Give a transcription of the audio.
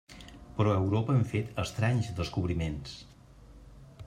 Però a Europa hem fet estranys descobriments.